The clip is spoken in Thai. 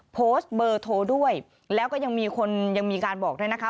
โพสต์เบอร์โทรด้วยแล้วก็ยังมีคนยังมีการบอกด้วยนะคะ